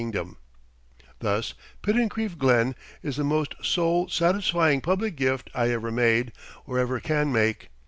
] Thus, Pittencrieff Glen is the most soul satisfying public gift I ever made, or ever can make.